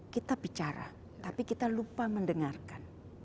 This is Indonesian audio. kita bicara tapi kita lupa mendengarkan